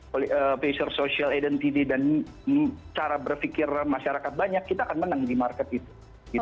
pleasure social identity dan cara berfikir masyarakat banyak kita akan menang di market itu